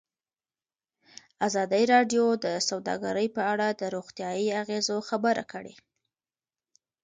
ازادي راډیو د سوداګري په اړه د روغتیایي اغېزو خبره کړې.